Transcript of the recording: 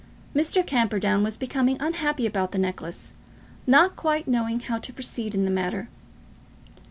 Mr. Camperdown was becoming unhappy about the necklace, not quite knowing how to proceed in the matter.